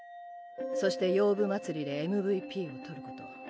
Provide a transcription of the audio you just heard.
そして「洋舞祭り」でＭＶＰを取ること。